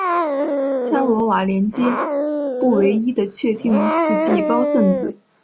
伽罗瓦连接不唯一的确定自闭包算子。